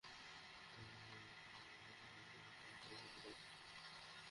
হীরা হাতে পাওয়ার সাথে সাথেই, তার একাউন্টে ট্রান্সফার করে দিবা।